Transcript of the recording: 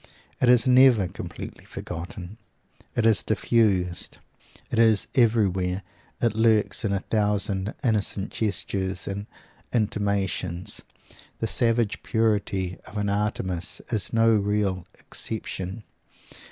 It is never completely forgotten. It is diffused. It is everywhere. It lurks in a thousand innocent gestures and intimations. The savage purity of an Artemis is no real exception.